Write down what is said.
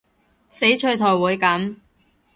翡翠台會噉